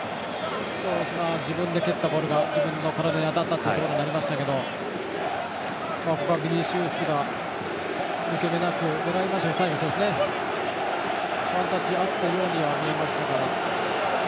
自分で蹴ったボールが自分の体に当たったところになりますけどビニシウスが抜け目なくタッチが合ったようには見えましたから。